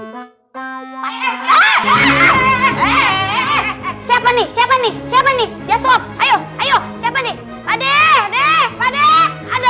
siapa nih siapa nih siapa nih siapa nih ayo ayo siapa nih ada ada ada